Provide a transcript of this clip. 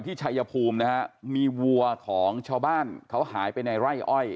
ชัยภูมินะฮะมีวัวของชาวบ้านเขาหายไปในไร่อ้อย